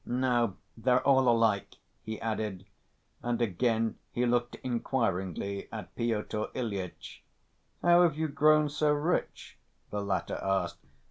"No, they're all alike," he added, and again he looked inquiringly at Pyotr Ilyitch. "How have you grown so rich?" the latter asked.